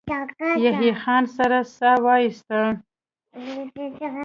يحيی خان سړه سا وايسته.